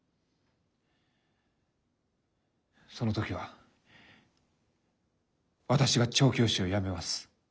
その時は私が調教師を辞めます。